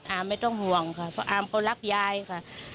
อามไม่ต้องห่วงค่ะอามเขารักยายค่ะ